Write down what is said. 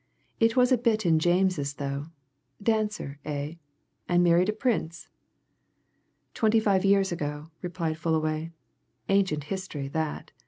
"It was a bit in James's, though. Dancer, eh? And married a Prince?" "Twenty five years ago," replied Fullaway. "Ancient history, that.